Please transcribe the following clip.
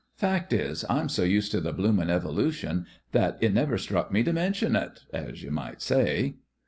Fact is, I'm so used to the bloomin' evolution that it never struck me to mention it as you might say."